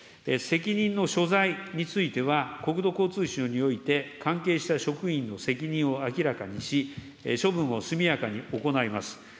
責任の所在については、国土交通省において、関係した職員の責任を明らかにし、処分を速やかに行います。